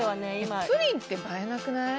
プリンって映えなくない？